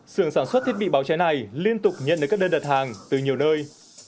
sưởng sản xuất thiết bị báo cháy này liên tục nhận được các đơn đặt hàng từ nhiều nơi